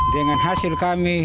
dengan hasil kami